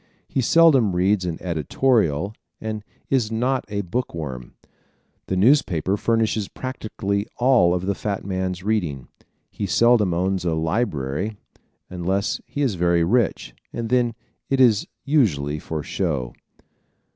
He seldom reads an editorial and is not a book worm. The newspaper furnishes practically all of the fat man's reading. He seldom owns a library unless he is very rich, and then it is usually for "show."